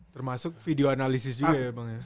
termasuk video analisis juga ya bang ya